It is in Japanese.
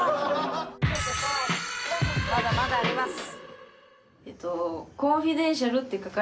「まだまだあります」